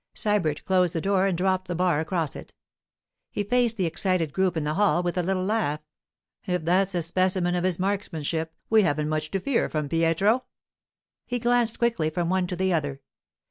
Sybert closed the door and dropped the bar across it. He faced the excited group in the hall with a little laugh. 'If that's a specimen of his marksmanship, we haven't much to fear from Pietro.' He glanced quickly from one to the other.